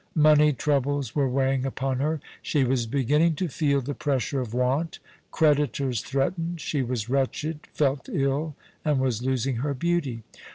Money troubles were weighing upon her. She was beginning to feel the pressure of want ; creditors threatened. She was wretched ; felt ill, and was losing her beauty.